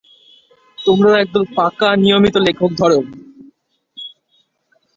তোমরাও একদল পাকা নিয়মিত লেখক ধর।